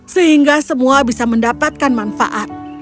sehingga semua bisa mendapatkan manfaat